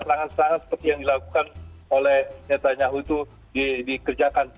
pada saat itu netanyahu seperti yang dilakukan oleh netanyahu itu dikerjakan